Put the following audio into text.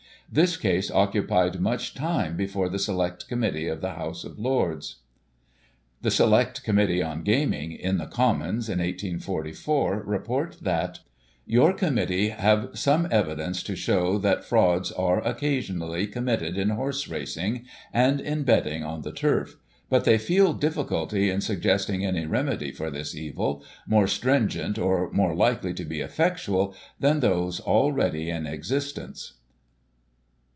This case occupied much time before the Select Committee of the House of Lords. The Select Committee on Gaming, in the Commons, in 1844, report that: "Your Committee have some evidence to show that frauds are, occasionally, committed in Horse Racing, and in betting on the Turf ; but they feel difficulty in suggest ■« ing any remedy for this evil, more stringent, or more likely to be effectual, than those already in existence."